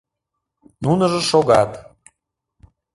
— Нуныжо шогат.